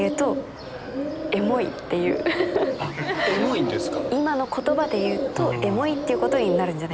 エモいんですか？